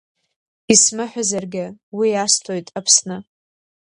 Исмыҳәазаргьы уи асҭоит Аԥсны.